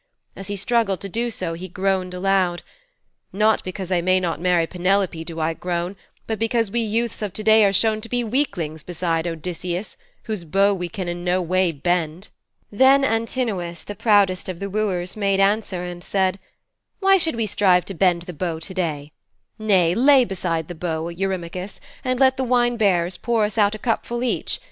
As he struggled to do so he groaned aloud: 'Not because I may not marry Penelope do I groan, but because we youths of to day are shown to be weaklings beside Odysseus, whose bow we can in no way bend.' Then Antinous, the proudest of the wooers, made answer and said, 'Why should we strive to bend the bow to day? Nay, lay the bow aside, Eurymachus, and let the wine bearers pour us out a cupful each.